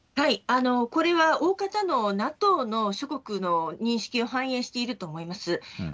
これは大方のＮＡＴＯの諸国の認識を反映していると思います。